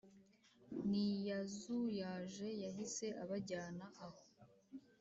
ntiyazuyaje yahise abajyana aho